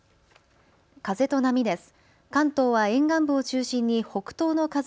風と波です。